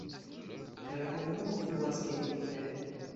Tra la komunumo fluas Kemi-rivero.